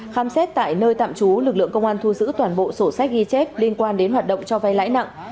khám xét tại nơi tạm trú lực lượng công an thu giữ toàn bộ sổ sách ghi chép liên quan đến hoạt động cho vay lãi nặng